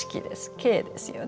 「景」ですよね。